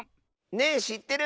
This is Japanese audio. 「ねぇしってる？」。